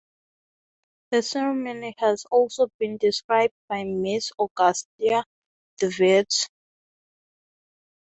The ceremony has also been described by Miss Augusta de Wit.